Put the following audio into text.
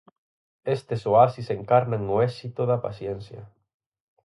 Estes oasis encarnan o éxito da paciencia.